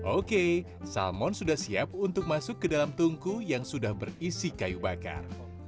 oke salmon sudah siap untuk masuk ke dalam tungku yang sudah berisi kayu bakar